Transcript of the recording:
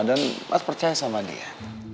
dan mas percaya sama dia